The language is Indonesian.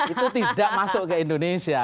itu tidak masuk ke indonesia